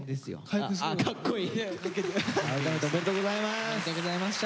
改めておめでとうございます。